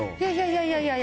いやいやいや。